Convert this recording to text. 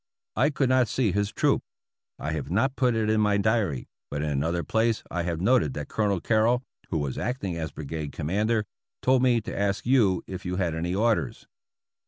I could not see his troop. I have not put it in my diary, but in another place I have noted that Colonel Carrol, who was acting as brigade commander, told me to ask you if you had any orders.